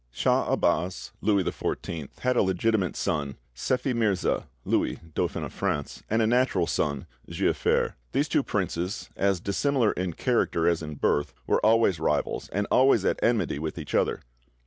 "Cha Abas (Louis XIV) had a legitimate son, Sephi Mirza (Louis, Dauphin of France), and a natural son, Giafer. These two princes, as dissimilar in character as in birth, were always rivals and always at enmity with each other.